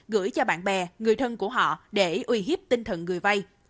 gửi cho bạn bè người thân của họ để uy hiếp tinh thần người vay